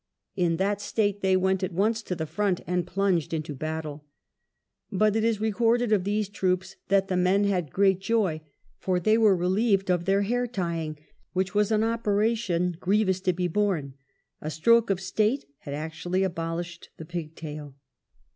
In that state they went at once to the front and plunged into battle. But it is recorded of these troops that "the men had great joy, for they were relieved of their hair tying, which was an operation grievous to be borne." A stroke of state had actually abolished the pigtail